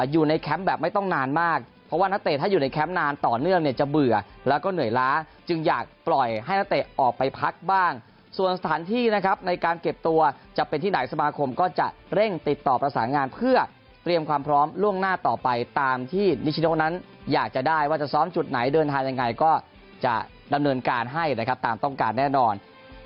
อยากปล่อยให้นาเตออกไปพักบ้างส่วนสถานที่ในการเก็บตัวจะเป็นที่ไหนสมาคมก็จะเร่งติดต่อประสานงานเพื่อเปรียมความพร้อมล่วงหน้าต่อไปตามที่ดิชิโดนั้นอยากจะได้ว่าจะซ้อมจุดไหนเดินทางยังไงก็จะดำเนินการให้นะครับตามต้องการแน่นอน